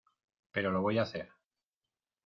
pero lo voy a hacer.